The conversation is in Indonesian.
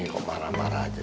kok marah marah aja